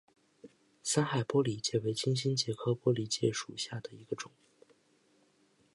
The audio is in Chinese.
三害玻璃介为金星介科玻璃介属下的一个种。